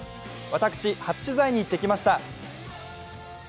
私、初取材に行ってきました。